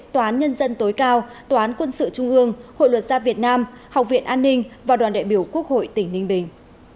tòa án nhân dân tối cao toán quân sự trung ương hội luật gia việt nam học viện an ninh và đoàn đại biểu quốc hội tỉnh ninh bình